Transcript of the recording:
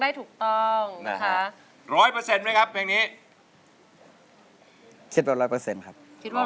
ได้หรือว่าร้องผิดครับ